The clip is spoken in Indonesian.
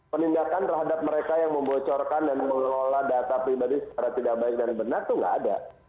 penindakan terhadap mereka yang membocorkan dan mengelola data pribadi secara tidak baik dan benar itu nggak ada